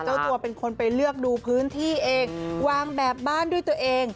เจ้าตัวเป็นคนไปเลือกดูพื้นที่เองวางแบบบ้านด้วยตัวเอง